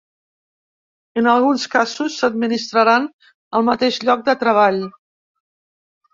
En alguns casos s’administraran al mateix lloc de treball.